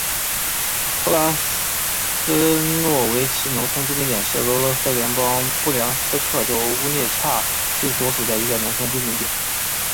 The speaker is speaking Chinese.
克拉斯诺维奇农村居民点是俄罗斯联邦布良斯克州乌涅恰区所属的一个农村居民点。